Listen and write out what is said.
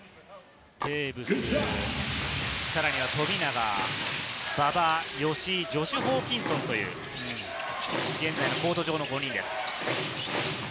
テーブス、富永、馬場、吉井、ジョシュ・ホーキンソンという現在のコート上の５人です。